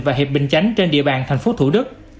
và hiệp bình chánh trên địa bàn tp thủ đức